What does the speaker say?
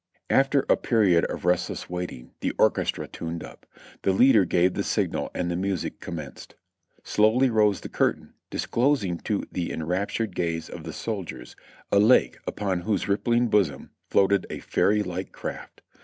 After a period of restless waiting the orchestra tuned up. The leader gave the signal and the music commenced. Slowly rose the curtain, disclosing to the enraptured gaze of the soldiers a lake upon whose rippling bosom floated a fairy like craft.